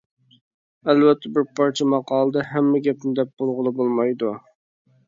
ئەلۋەتتە بىر پارچە ماقالىدە ھەممە گەپنى دەپ بولغىلى بولمايدۇ.